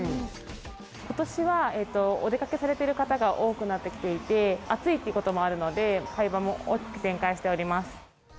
ことしはお出かけされてる方が多くなってきていて、暑いということもあるので、売り場も大きく展開しています。